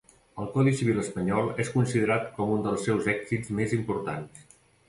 El Codi Civil espanyol és considerat com un dels seus èxits més importants.